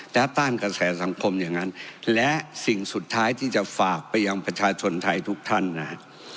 และต้านกระแสสังคมอย่างนั้นและสิ่งสุดท้ายที่จะฝากไปยังประชาชนไทยทุกท่านนะฮะ